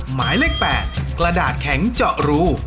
หมายเลข๘กระดาษแข็งเจาะรู